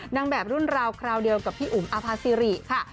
นางแบบรุ่นราวคราวเดียวกับพี่อุ๋มอาภาษิริค่ะ